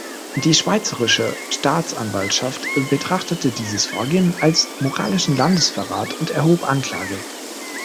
Die schweizerische Staatsanwaltschaft betrachtete dieses Vorgehen als moralischen Landesverrat und erhob Anklage.